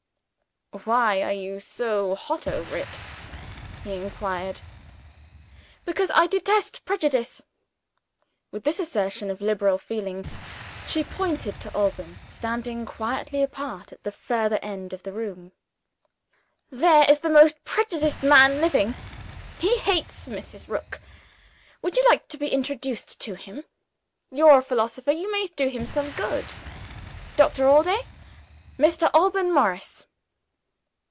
"Why are you so hot over it?" he inquired "Because I detest prejudice!" With this assertion of liberal feeling she pointed to Alban, standing quietly apart at the further end of the room. "There is the most prejudiced man living he hates Mrs. Rook. Would you like to be introduced to him? You're a philosopher; you may do him some good. Doctor Allday Mr. Alban Morris."